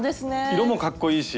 色もかっこいいし。